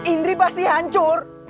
indri pasti hancur